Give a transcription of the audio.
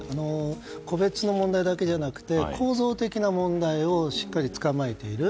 個別の問題だけじゃなくて構造的な問題をしっかりつかまえている。